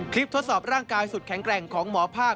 ทดสอบร่างกายสุดแข็งแกร่งของหมอภาค